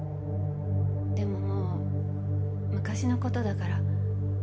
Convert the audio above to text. でももう昔の事だから。